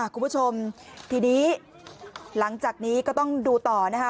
คุณผู้ชมทีนี้หลังจากนี้ก็ต้องดูต่อนะคะ